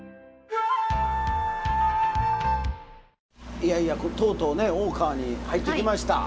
いやいやとうとうね大川に入ってきました。